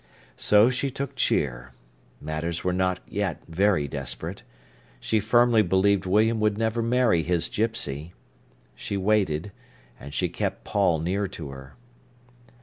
So she took cheer. Matters were not yet very desperate. She firmly believed William would never marry his Gipsy. She waited, and she kept Paul near to her.